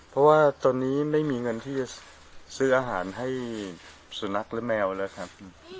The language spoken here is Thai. เพราะว่าตอนนี้ไม่มีเงินที่จะซื้ออาหารให้สุนัขและแมวแล้วครับ